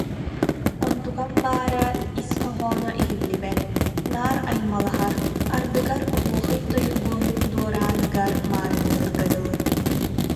Онтукам баара, ис хоһооно иһиллибэт, наар аймалаһар, ардыгар оһуохай тойугун дуорааныгар маарынныырга дылы